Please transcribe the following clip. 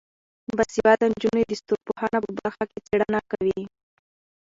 باسواده نجونې د ستورپوهنې په برخه کې څیړنه کوي.